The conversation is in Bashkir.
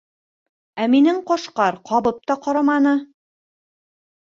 Ә минең Ҡашҡар ҡабып та ҡараманы.